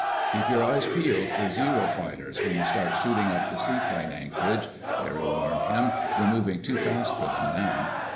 "Keep your eyes peeled for Zero fighters when we start shooting up the seaplane anchorage," Barry warned him. "We're moving too fast for them now."